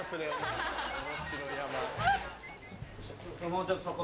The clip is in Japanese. もうちょっとそこ。